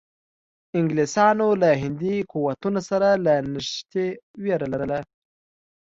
انګلیسانو له هندي قوتونو سره له نښتې وېره لرله.